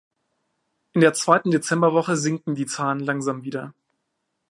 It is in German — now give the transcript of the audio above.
In der zweiten Dezemberwoche sinken die Zahlen langsam wieder.